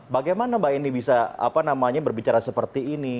bagaimana mbak eni bisa berbicara seperti ini